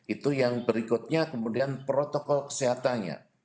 itu yang berikutnya kemudian protokol kesehatannya